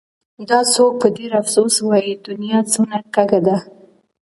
دا څوک په ډېر افسوس وايي : دنيا څونه کږه ده